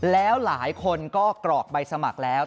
แล้วหลายคนก็กรอกใบสมัครแล้ว